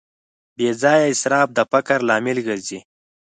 بېځایه اسراف د فقر لامل ګرځي.